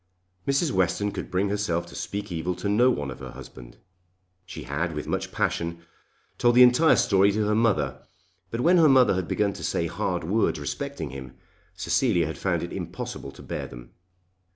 Mrs. Western could bring herself to speak evil to no one of her husband. She had, with much passion, told the entire story to her mother, but when her mother had begun to say hard words respecting him Cecilia had found it impossible to bear them.